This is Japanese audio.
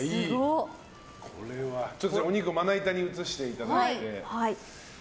お肉をまな板に移していただいて。